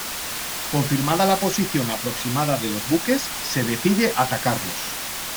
Confirmada la posición aproximada de los buques, se decide atacarlos.